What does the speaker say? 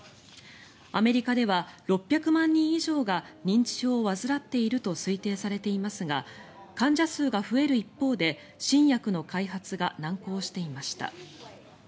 アメリカでは６００万人以上が認知症を患っていると推定されていますが患者数が増える一方で新薬の開発が難航していました。